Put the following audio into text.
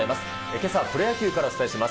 けさはプロ野球からお伝えします。